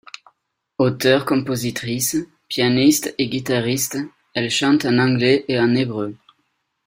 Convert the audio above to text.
Auteur-compositrice, pianiste et guitariste, elle chante en anglais et en hébreu.